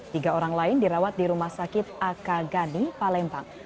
tiga orang lain dirawat di rumah sakit ak gani palembang